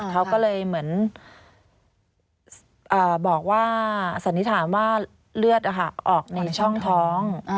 เขาก็เลยเหมือนบอกว่าสันนิษฐานว่าเลือดออกในช่องท้อง